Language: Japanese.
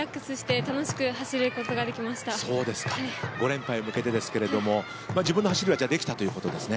５連覇に向けてですが自分の走りはできたということですね。